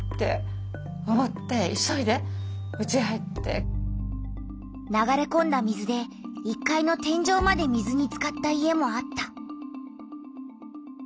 そして流れこんだ水で１階の天じょうまで水につかった家もあった。